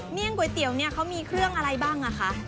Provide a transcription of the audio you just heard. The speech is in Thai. ี่ยงก๋วยเตี๋ยวเนี่ยเขามีเครื่องอะไรบ้างอ่ะคะ